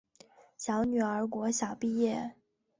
小女儿国小毕业